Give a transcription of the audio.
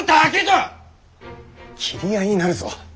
斬り合いになるぞ。